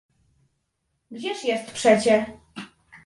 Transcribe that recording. "Gdzież jest przecie?"